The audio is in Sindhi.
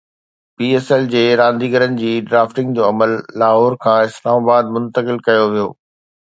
پي ايس ايل جي رانديگرن جي ڊرافٽنگ جو عمل لاهور کان اسلام آباد منتقل ڪيو ويو